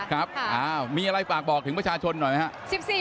ครับมีอะไรฝากบอกถึงประชาชนหน่อยไหมครับ